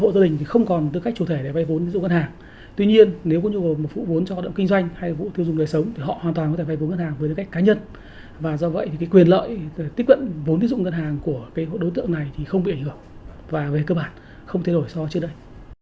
đối tượng này thì không bị ảnh hưởng và về cơ bản không thay đổi so với trước đây